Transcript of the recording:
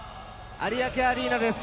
有明アリーナです。